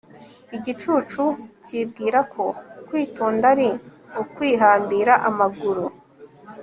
igicucu cyibwira ko kwitonda ari ukwihambira amaguru